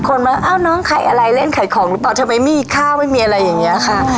คนมาเอ้าน้องขายอะไรเล่นขายของหรือเปล่าทำไมไม่มีข้าวไม่มีอะไรอย่างนี้ค่ะ